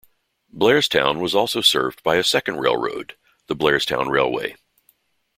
Blairstown was also served by a second railroad, the Blairstown Railway.